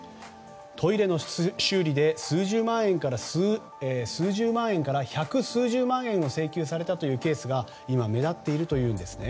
トイレの修理で数十万円から百数十万円を請求されたというケースが今、目立っているというんです。